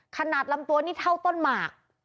ขนาดลำตัวนี้เท่าต้นหมาก